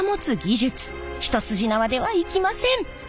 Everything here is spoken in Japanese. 一筋縄ではいきません！